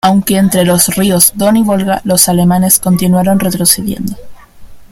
Aunque entre los ríos Don y Volga, los alemanes continuaron retrocediendo.